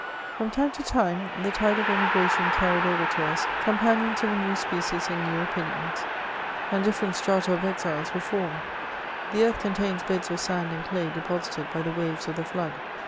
Fbom time to time, the tide of emigration carried over to us companions of a new species and new opinions ; and different strata of exiles were formed ; the earth contains beds of sand and clay deposited by the waves of the flood.